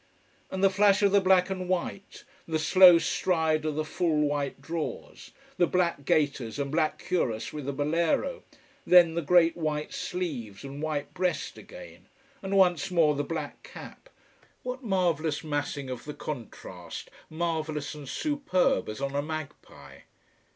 And the flash of the black and white, the slow stride of the full white drawers, the black gaiters and black cuirass with the bolero, then the great white sleeves and white breast again, and once more the black cap what marvellous massing of the contrast, marvellous, and superb, as on a magpie.